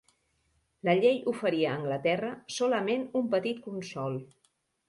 La llei oferia a Anglaterra solament un petit consol.